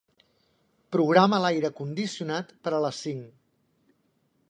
Programa l'aire condicionat per a les cinc.